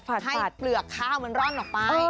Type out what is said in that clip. ให้เปลือกข้าวมันร่อนออกไป